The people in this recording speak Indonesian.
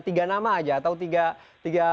tiga nama aja atau tiga